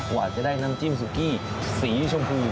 กว่าจะได้น้ำจิ้มสุกี้สีชมพู